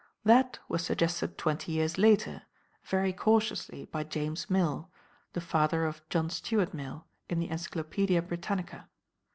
That was suggested twenty years later, very cautiously by James Mill, the father of John Stuart Mill, in the 'Encyclopaedia Britannica.'